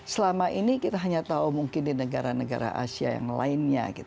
selama ini kita hanya tahu mungkin di negara negara asia yang lainnya